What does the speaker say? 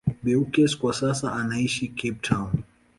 Beukes kwa sasa anaishi Cape Town.